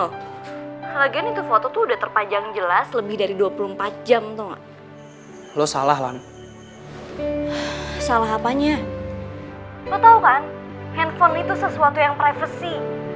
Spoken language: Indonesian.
handphone itu sesuatu yang privacy